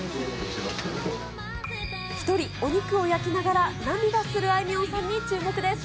１人、お肉を焼きながら、涙するあいみょんさんに注目です。